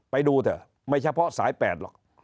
ไปดูเถอะไม่เฉพาะสาย๘หรอก